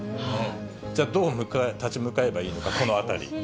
じゃあ、どう立ち向かえばいいのか、この辺り。